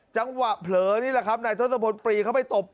จังหวะเผลอนี่แหละครับนายทศพลปรีเข้าไปตบ